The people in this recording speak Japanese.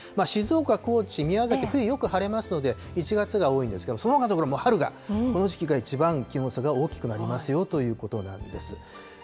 静岡、高知、宮崎、冬よく晴れますので、１月が多いんですがそのほかの所、春が、この時期が一番気温差が大きくなりますよということなんです。